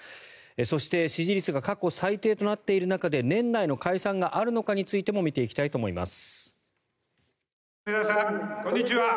そして、支持率が過去最低となっている中で年内の解散があるのかについても見ていきたいと思います。